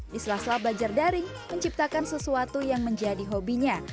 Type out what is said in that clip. diselaslah bajar daring menciptakan sesuatu yang menjadi hobinya